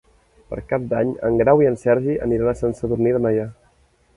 Per Cap d'Any en Grau i en Sergi aniran a Sant Sadurní d'Anoia.